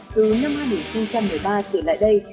từ năm hai nghìn một mươi ba trở lại đây